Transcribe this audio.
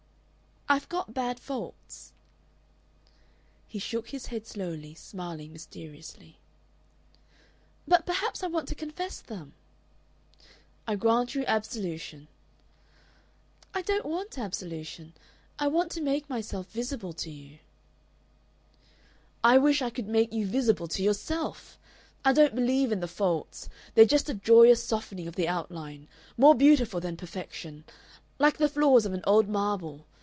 "I've got bad faults." He shook his head slowly, smiling mysteriously. "But perhaps I want to confess them." "I grant you absolution." "I don't want absolution. I want to make myself visible to you." "I wish I could make you visible to yourself. I don't believe in the faults. They're just a joyous softening of the outline more beautiful than perfection. Like the flaws of an old marble.